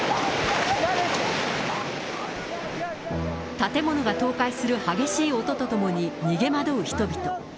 建物が倒壊する激しい音とともに逃げ惑う人々。